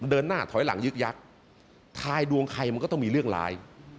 เดินหน้าถอยหลังยึกยักษ์ทายดวงใครมันก็ต้องมีเรื่องร้าย